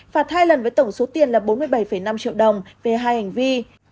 phạt hai lần với tổng số tiền là bốn mươi bảy năm triệu đồng về hai hành vi